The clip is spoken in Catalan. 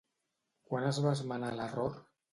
Quan es va esmenar l'error?